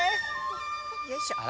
よいしょ。